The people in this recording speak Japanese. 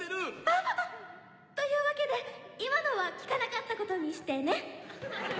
あっ！というわけで今のは聞かなかったことにしてねっ。